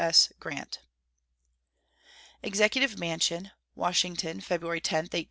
S. GRANT. EXECUTIVE MANSION, Washington, February 10, 1874.